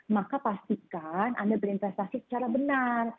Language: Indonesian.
maka pastikan anda berinvestasi secara benar